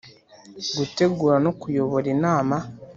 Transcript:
Gutegura no kuyobora Inama